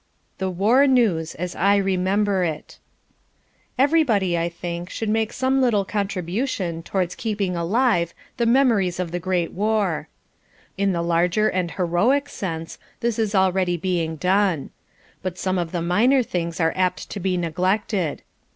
5. The War News as I Remember it Everybody, I think, should make some little contribution towards keeping alive the memories of the great war. In the larger and heroic sense this is already being done. But some of the minor things are apt to be neglected.